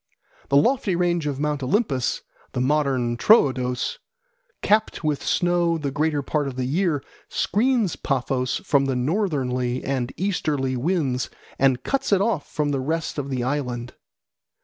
The lofty range of Mount Olympus (the modern Troodos), capped with snow the greater part of the year, screens Paphos from the northerly and easterly winds and cuts it off from the rest of the island.